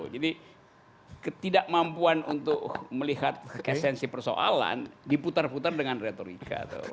jadi ketidakmampuan untuk melihat keesensi persoalan diputar putar dengan retorika tuh